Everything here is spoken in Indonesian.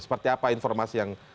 seperti apa informasi yang